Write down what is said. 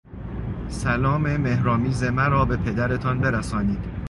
سلام مهر آمیز مرا به پدرتان برسانید.